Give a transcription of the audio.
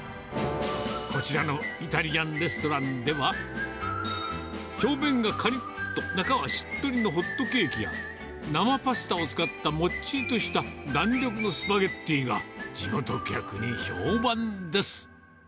こちらのイタリアンレストランでは、表面がかりっと、中はしっとりのホットケーキや、生パスタを使ったもっちりとした弾力のスパゲッティが地元客に評判です。